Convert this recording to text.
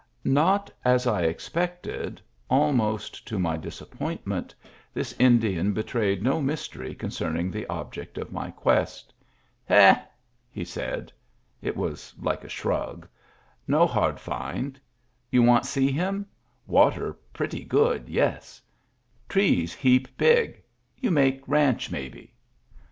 Not as I expected, almost to my Digitized by Google i68 MEMBERS OF THE FAMILY disappointment, this Indian betrayed no mystery concerning the object of my quest. " H6 1 " he said (it was like a shrug). " No hard find. You want see him? Water pretty good, yes. Trees heap big. You make ranch maybe